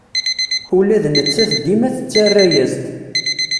Ula d nettat dima tettara-yas-d.